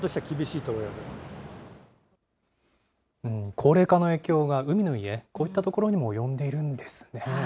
高齢化の影響が海の家、こういったところにも及んでいるんですね。